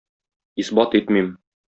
Исбат итмим